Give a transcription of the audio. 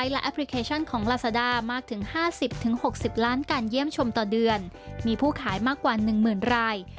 ลักษณะ๖๐ล้านการเยี่ยมชมต่อเดือนมีผู้ขายมากกว่า๑๐๐๐๐ราย